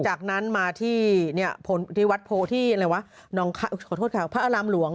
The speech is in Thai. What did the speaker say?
จากนั้นมาที่วัดโพธิขอโทษค่ะพระอารามหลวง